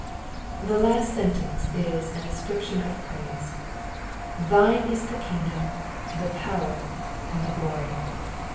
The last sentence is an ascription of praise :'^ thine is the kingdom, the power, and the glory.''